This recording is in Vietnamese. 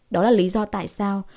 đó là lý do tại sao